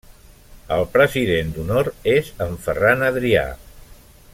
El president d'honor és en Ferran Adrià.